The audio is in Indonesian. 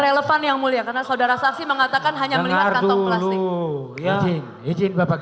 tidak relevan yang mulia karena saudara saksi mengatakan hanya melihat kantong plastik